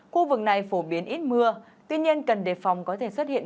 khu vực này phổ biến ít mưa tuy nhiên cần đề phòng có thể xuất hiện